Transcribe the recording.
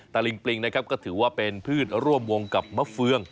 ลิงปริงนะครับก็ถือว่าเป็นพืชร่วมวงกับมะเฟือง